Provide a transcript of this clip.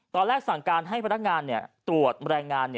ตอนแรกสั่งการให้พนักงานตรวจแรงงาน